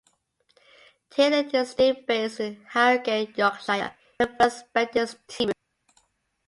Taylor's is still based in Harrogate, Yorkshire, in the first 'Betty's' tea room.